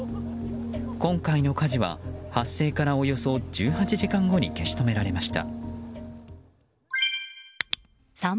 今回の火事は発生からおよそ１８時間後に消し止められました。